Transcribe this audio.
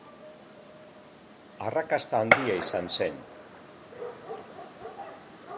Arrakasta handia izan zen.